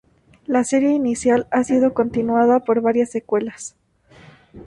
La serie inicial ha sido continuada por varias secuelas.